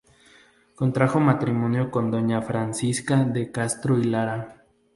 Contrajo matrimonio con doña Francisca de Castro y Lara.